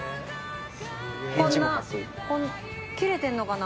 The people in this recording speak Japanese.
こんな切れてんのかな。